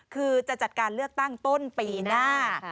คือจะจัดการเลือกตั้งต้นปีหน้า